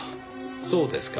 そうですか。